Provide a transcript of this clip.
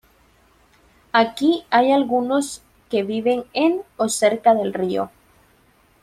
Aquí hay algunos que viven en o cerca del río.